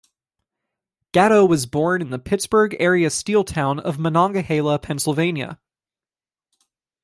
Gatto was born in the Pittsburgh-area steel town of Monongahela, Pennsylvania.